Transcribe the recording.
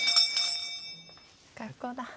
学校だ。